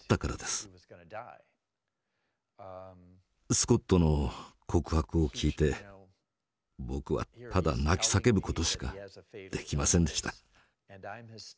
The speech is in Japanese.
スコットの告白を聞いて僕はただ泣き叫ぶことしかできませんでした。